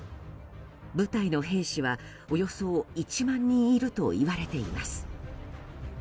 部隊の兵士はおよそ１万人いるといわれています。